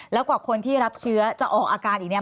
แล้วกว่าคนที่รับเชื้อจะออกอาการอีกเนี่ย